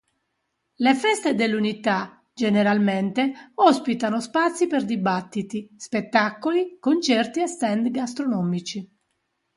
Le feste de l'Unità, generalmente, ospitano spazi per dibattiti, spettacoli, concerti e stand gastronomici.